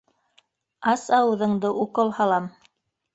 Ас ауыҙыңды, укол һалам!